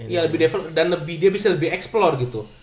iya lebih develop dan dia bisa lebih explore gitu